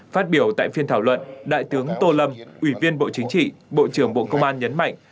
phát biểu tại phiên thảo luận đại tướng tô lâm ủy viên bộ chính trị bộ trưởng bộ công an nhấn mạnh